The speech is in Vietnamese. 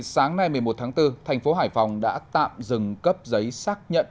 sáng nay một mươi một tháng bốn thành phố hải phòng đã tạm dừng cấp giấy xác nhận